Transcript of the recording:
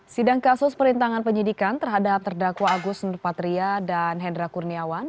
sidang kasus perintangan penyidikan terhadap terdakwa agus nurpatria dan hendra kurniawan